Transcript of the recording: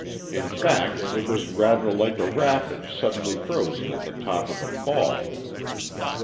In fact, it was rather like a rapid suddenly frozen at the top of a fall.